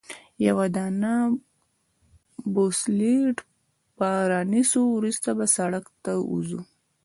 یوه دانه بوبسلیډ به رانیسو، وروسته به سړک ته ووځو.